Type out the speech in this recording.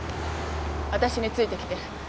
私についてきて。